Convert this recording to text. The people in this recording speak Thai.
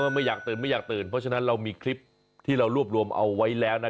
ไม่อยากตื่นไม่อยากตื่นเพราะฉะนั้นเรามีคลิปที่เรารวบรวมเอาไว้แล้วนะ